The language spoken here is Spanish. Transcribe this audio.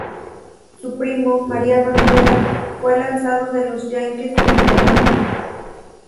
Su primo, Mariano Rivera, fue lanzador de los Yankees de Nueva York.